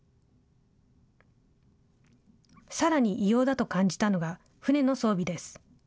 さらに異様だと感じたのが、船の装備です。